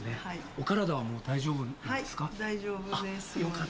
お体はもう大丈夫なんですか？